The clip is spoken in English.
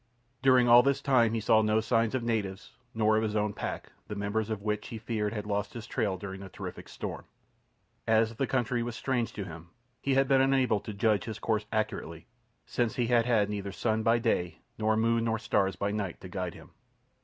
During all this time he saw no signs of natives, nor of his own pack, the members of which he feared had lost his trail during the terrific storm. As the country was strange to him, he had been unable to judge his course accurately, since he had had neither sun by day nor moon nor stars by night to guide him.